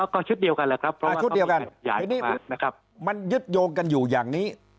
ก็ชุดเดียวกันแหละครับเพราะว่ามันยึดโยงกันอยู่อย่างนี้